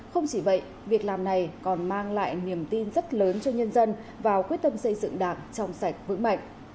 không chỉ vậy việc làm này còn mang lại niềm tin rất lớn cho nhân dân vào quyết tâm xây dựng đảng trong sạch vững mạnh